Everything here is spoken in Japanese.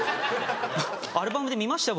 アルバムで見ましたよ